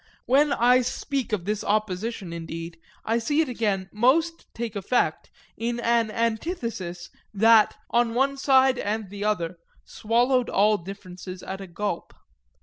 When I speak of this opposition indeed I see it again most take effect in an antithesis that, on one side and the other, swallowed all differences at a gulp.